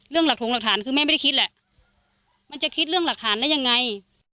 หลักถงหลักฐานคือแม่ไม่ได้คิดแหละมันจะคิดเรื่องหลักฐานได้ยังไง